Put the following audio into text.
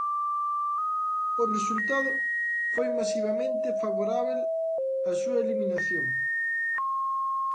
O resultado foi masivamente favorábel á súa eliminación.